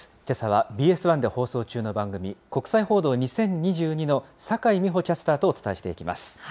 けさはＢＳ１で放送中の番組、国際報道２０２２の酒井美帆キャスターとお伝えしていきます。